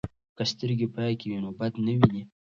که سترګې پاکې وي نو بد نه ویني.